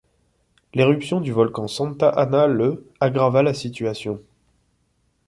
L'éruption du volcan Santa Ana le aggrava la situation.